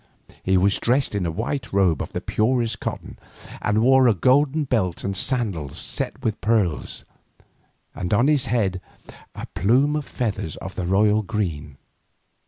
He was dressed in a white robe of the purest cotton, and wore a golden belt and sandals set with pearls, and on his head a plume of feathers of the royal green.